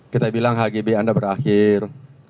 kita bilang hgb anda berakhir